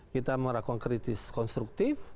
kita merakuang kritis konstruktif